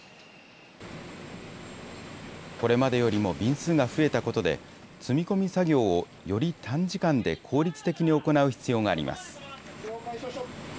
これまでよりも便数が増えたことで、積み込み作業をより短時間で効率的に行う必要があります。